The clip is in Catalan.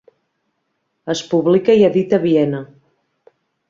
Es publica i edita a Viena.